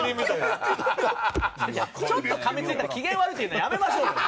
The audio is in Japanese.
ちょっとかみついたら機嫌悪いっていうのやめましょうよ。